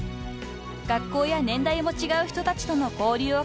［学校や年代の違う人たちとの交流を重ね